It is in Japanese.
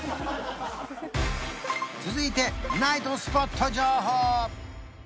続いてナイトスポット情報！